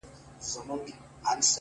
ه بيا دي سترگي سرې ښكاريږي!!